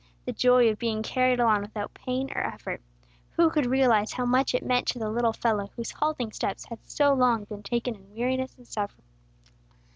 The joy of being carried along without pain or effort! Who could realize how much it meant to the little fellow whose halting steps had so long been taken in weariness and suffering?